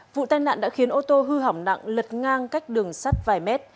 vụ tai nạn đã khiến ô tô hư hỏng nặng lật ngang cách đường sắt vài mét